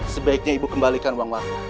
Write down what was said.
sebaiknya ibu kembalikan uang baru